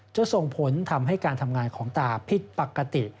จะส่งผลทำให้การทำงานของตาผิดปกติ